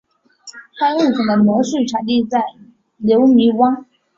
该物种的模式产地在留尼汪。